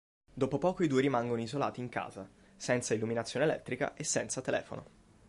Dopo poco i due rimangono isolati in casa, senza illuminazione elettrica e senza telefono.